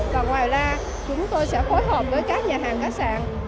và ngoài ra chúng tôi sẽ phối hợp với các nhà hàng khách sạn